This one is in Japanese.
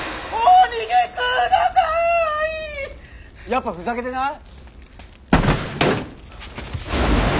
やっぱふざけてない？